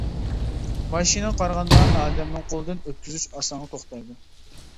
ماشىنىغا قارىغاندا ئادەمنىڭ قولىدىن ئۆتكۈزۈش ئاسانغا توختايدۇ.